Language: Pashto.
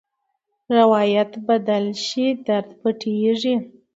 روایت بدل شي، درد پټېږي.